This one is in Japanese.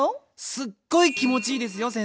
すっごい気持ちいいですよ先生。